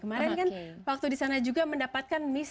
kemarin kan waktu di sana juga mendapatkan miss